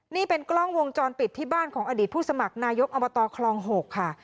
นี่เป็นกล้องวงจรปิดที่บ้านของอดีตผู้สมัครนายกอบตคลอง๖ค่ะ